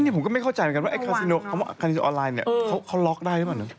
นี่ผมก็ไม่เข้าใจเหมือนกันว่าคาซิโนออนไลน์เนี่ยเขาล็อกได้หรือเปล่านะ